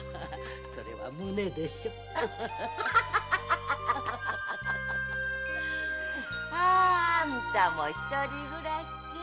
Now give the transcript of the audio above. それは“胸”でしょ？あんたも一人暮らしけ？